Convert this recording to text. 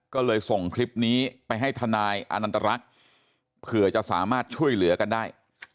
ก็เลยส่งคลิปนี้ไปให้ทนายอนันตรรักษ์เผื่อจะสามารถช่วยเหลือกันได้